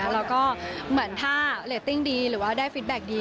และถ้าเละติ้งดีหรือว่าได้ฟิตแบล็คดี